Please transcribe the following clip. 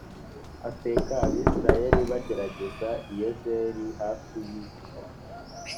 afeka abisirayeli bagerereza i yezer li hafi y is ko